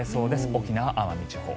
沖縄・奄美地方。